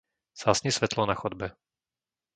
Zhasni svetlo na chodbe.